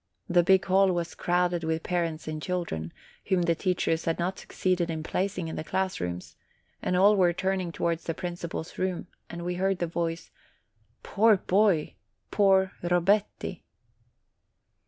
The big hall was crowded with parents and children, whom the teachers had not succeeded in placing in the class rooms, and all were turning towards the principal's room, and we heard the words, "Poor boy! Poor Robetti